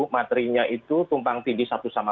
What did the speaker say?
materinya itu tumpang tindih satu sama